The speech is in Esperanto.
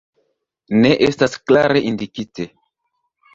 Ne estas klare indikite.